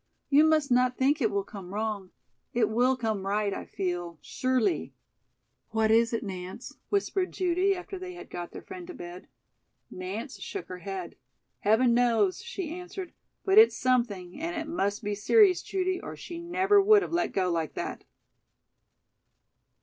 "You must not think it will come wrong. It will come right, I feel, surelee." "What is it, Nance?" whispered Judy, after they had got their friend to bed. Nance shook her head. "Heaven knows," she answered. "But it's something, and it must be serious, Judy, or she never would have let go like that."